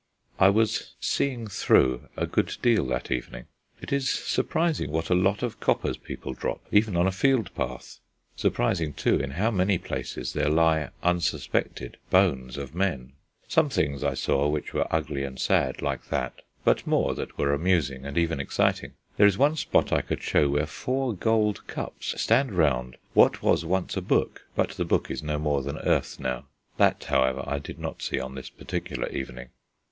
I was "seeing through" a good deal that evening; it is surprising what a lot of coppers people drop, even on a field path; surprising, too, in how many places there lie, unsuspected, bones of men. Some things I saw which were ugly and sad, like that, but more that were amusing and even exciting. There is one spot I could show where four gold cups stand round what was once a book, but the book is no more than earth now. That, however, I did not see on this particular evening.